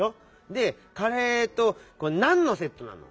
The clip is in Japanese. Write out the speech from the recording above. でカレーと「なんのセット」なの？